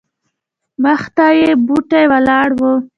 مخته یې بوټې ولاړ وو.